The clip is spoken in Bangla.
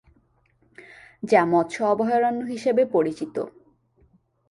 যা মৎস অভয়ারণ্য হিসেবে পরিচিত।